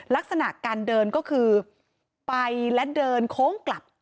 ลักษณะการเดินก็คือไปและเดินโค้งกลับ